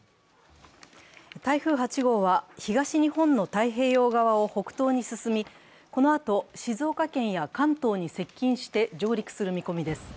台風８号は東日本の太平洋側を北東に進み、このあと、静岡県や関東に接近して上陸する見込みです。